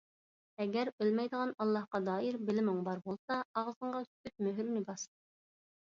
ئەگەر ئۆلمەيدىغان ئاللاھقا دائىر بىلىمىڭ بار بولسا، ئاغزىڭغا سۈكۈت مۆھۈرىنى باس.